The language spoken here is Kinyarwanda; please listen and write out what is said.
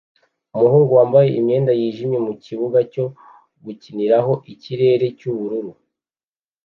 Umuhungu wambaye imyenda yijimye mukibuga cyo gukiniraho ikirere cyubururu